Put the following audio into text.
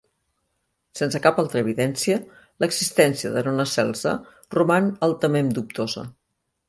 Sense cap altra evidència, l'existència de Nona Celsa roman altament dubtosa.